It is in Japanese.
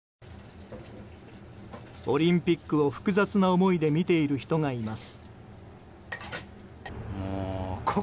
オリンピックを複雑な思いで見ている人がいます。